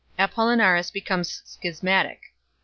Apollinaris becomes schismatic.